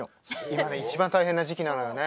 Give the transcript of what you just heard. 今ね一番大変な時期なのよね。